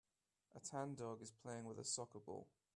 A tan dog is playing with a soccer ball